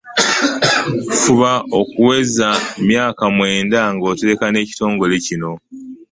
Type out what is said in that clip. Fuba okuwezamyaka mwenda ng'otereka n'ekitongole kino.